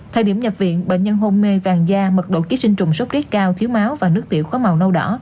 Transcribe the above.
thời điểm nhập viện bệnh nhân hôn mê vàng da mật độ ký sinh trùng sốt rét cao thiếu máu và nước tiểu có màu nâu đỏ